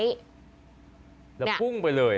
แล้วพุ่งไปเลย